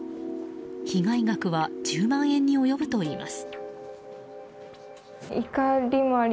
被害額は１０万円に及ぶといいます。